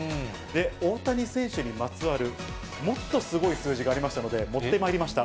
大谷選手にまつわるもっとすごい数字がありましたので、もってまいりました。